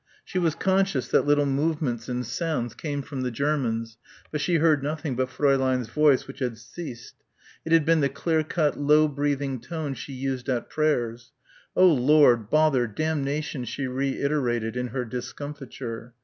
She was conscious that little movements and sounds came from the Germans, but she heard nothing but Fräulein's voice which had ceased. It had been the clear cut low breathing tone she used at prayers. "Oh, Lord, bother, damnation," she reiterated in her discomfiture.